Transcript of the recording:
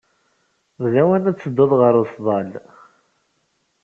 D lawan ad tedduḍ ɣer useḍḍal.